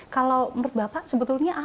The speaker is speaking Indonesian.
kalau menurut bapak sebetulnya apa